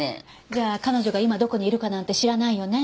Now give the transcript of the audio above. じゃあ彼女が今どこにいるかなんて知らないよね？